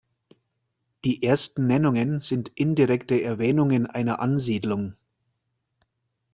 Die ersten Nennungen sind indirekte Erwähnungen einer Ansiedlung.